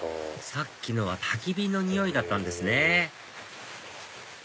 さっきのはたき火の匂いだったんですね